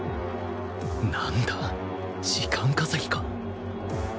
何だ時間稼ぎか？